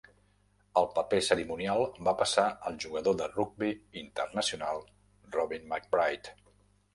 El paper cerimonial va passar al jugador de rugbi internacional Robin McBryde.